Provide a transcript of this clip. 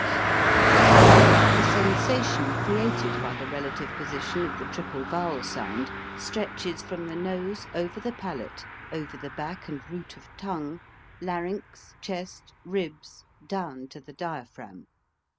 78 HOW TO SING The sensation created by the relative posi tion of the triple vowel sound stretches from the nose over the palate, over the back and root of tongue, larynx, chest, ribs, down to the dia phragm.